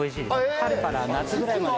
春から夏ぐらいまで。